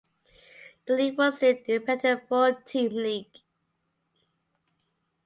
The league was an Independent four team league.